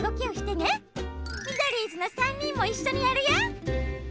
ミドリーズの３にんもいっしょにやるよ！